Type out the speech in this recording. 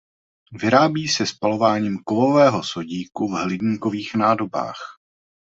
Vyrábí se spalováním kovového sodíku v hliníkových nádobách.